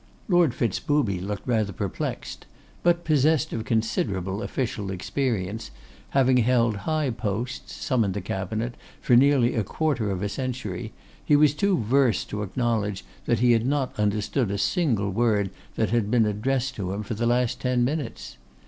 Lord Fitz booby looked rather perplexed; but, possessed of considerable official experience, having held high posts, some in the cabinet, for nearly a quarter of a century, he was too versed to acknowledge that he had not understood a single word that had been addressed to him for the last ten minutes.